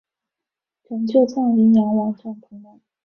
拯救藏羚羊网站同盟